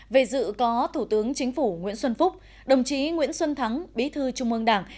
về dự có thủ tướng chính phủ nguyễn xuân phúc đồng chí nguyễn xuân thắng bí thư trung ương đảng